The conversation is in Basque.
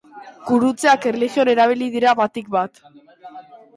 Gurutzeak, erlijioan erabili dira batik bat.